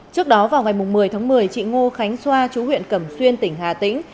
trước đó vào ngày một mươi tháng một mươi chị ngô khánh xoa chú huyện cẩm xuyên tỉnh hà tĩnh